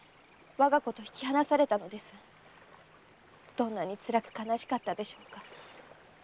どんなに辛く悲しかったでしょうか。